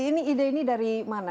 ini ide ini dari mana